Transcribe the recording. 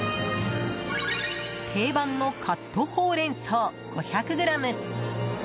定番のカットほうれん草５００ｇ。